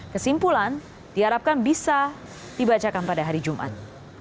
kesimpulan diharapkan bisa dibacakan pada hari jumat